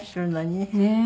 ねえ。